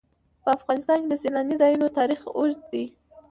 په افغانستان کې د سیلانی ځایونه تاریخ اوږد دی.